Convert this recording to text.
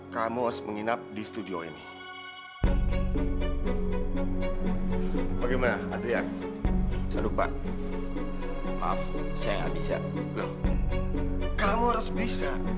kamu harus bisa